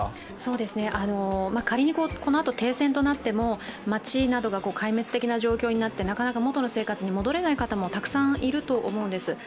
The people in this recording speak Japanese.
仮にこのあと停戦となっても街などが壊滅的な状況になってなかなか元の生活に戻れない方もたくさんいると思うんです。